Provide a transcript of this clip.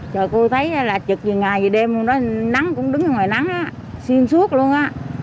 trời cô thấy là chật dù ngày dù đêm nắng cũng đứng ở ngoài nắng xiên suốt luôn đó